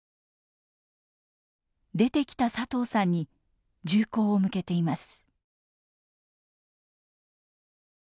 出てきた佐藤さんに銃口を向けています。